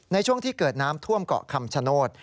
ในช่วงที่เกิดน้ำท่วมเกาะคำชโนธ